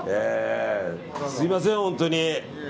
すみません、本当に。